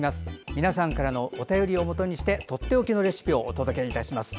皆さんからのお便りをもとにとっておきのレシピをお届けいたします。